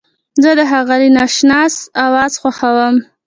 زه د ښاغلي ناشناس اواز خوښوم.